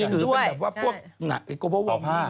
ผมถือแบบว่ากระเป๋าผ้า